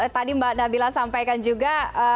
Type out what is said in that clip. tadi mbak nabila sampaikan juga